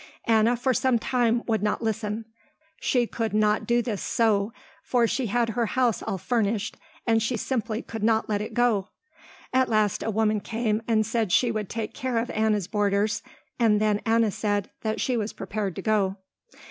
Anna for some time would not listen. She could not do this so, for she had her house all furnished and she simply could not let it go. At last a woman came and said she would take care of Anna's boarders and then Anna said that she was prepared to go.